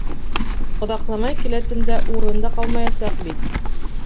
Оҙаҡламай келәтемдә урын да ҡалмаясаҡ бит.